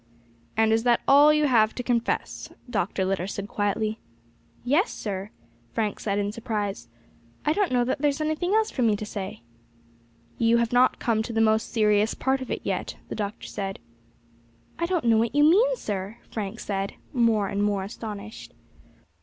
"And is that all you have to confess?" Dr. Litter said quietly. "Yes, sir," Frank said in surprise, "I don't know that there's anything else for me to say." "You have not come to the most serious part of it yet," the Doctor said. "I don't know what you mean, sir," Frank said, more and more astonished.